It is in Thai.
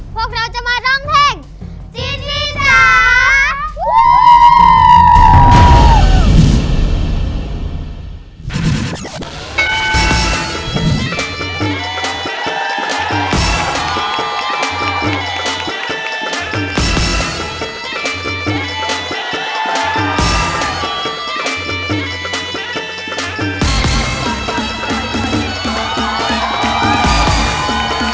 พวกเราทีมลูกหมูสามตัว